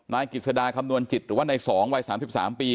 ว่าในสองวัยสามสิบสามปี